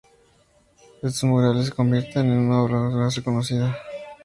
Estos murales se convirtieron en su obra más reconocida.